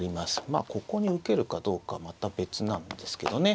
まあここに受けるかどうかはまた別なんですけどね。